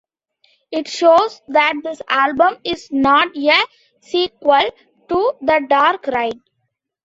It shows that this album is not a sequel to 'The Dark Ride'.